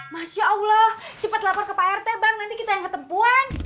masya allah cepat lapor ke pak rt bang nanti kita yang ketemuan